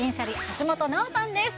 橋本直さんです